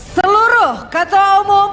seluruh ketua umum